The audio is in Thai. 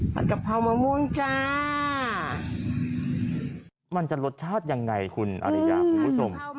กะเพรามะม่วงจ้ามันจะรสชาติยังไงคุณอริยาคุณผู้ชม